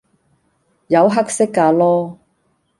有黑色架囉